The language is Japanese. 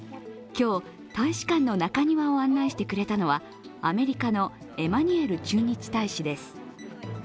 今日、大使館の中庭を案内してくれたのはアメリカのエマニュエル駐日大使です。